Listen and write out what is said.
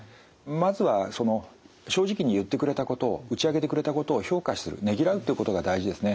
まずはその正直に言ってくれたことを打ち明けてくれたことを評価するねぎらうっていうことが大事ですね。